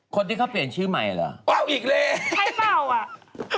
คนที่เขาเปลี่ยนชื่อใหม่เหรอเอาอีกเลยใช่เปล่าอ่ะ